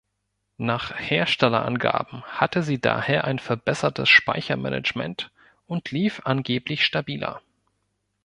Nach Herstellerangaben hatte sie daher ein verbessertes Speichermanagement und lief angeblich stabiler.